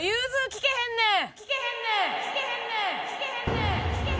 きけへんねん！」